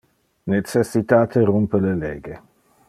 Necessitate rumpe le lege.